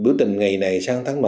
biểu tình ngày này sang tháng chín